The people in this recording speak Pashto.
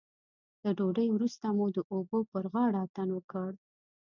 له ډوډۍ وروسته مو د اوبو پر غاړه اتڼ وکړ.